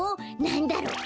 なんだろう？